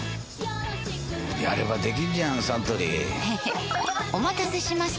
やればできんじゃんサントリーへへっお待たせしました！